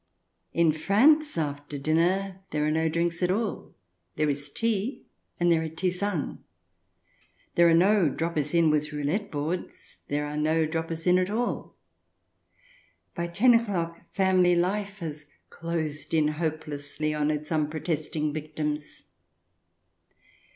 In France, after dinner, there are no drinks at all. There is tea and there are tisanes. There are no droppers in with roulette boards — there are no droppers in at all. By ten o'clock family life has closed in hopelessly on its unprotesting victims.